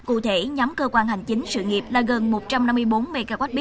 cụ thể nhóm cơ quan hành chính sự nghiệp là gần một trăm năm mươi bốn mw